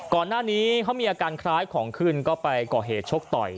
ก่อนหน้านี้เขามีอาการคล้ายของขึ้นก็ไปก่อเหตุชกต่อย